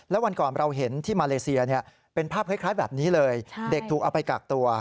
แล้ววันก่อนเราเห็นที่มาเลเซียเป็นภาพคล้ายแบบนี้เลยเด็กถูกเอาไปกักตัว